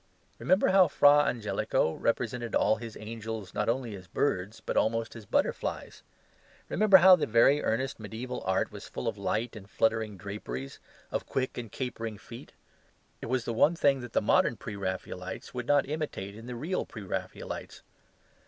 Remember how Fra Angelico represented all his angels, not only as birds, but almost as butterflies. Remember how the most earnest mediaeval art was full of light and fluttering draperies, of quick and capering feet. It was the one thing that the modern Pre raphaelites could not imitate in the real Pre raphaelites.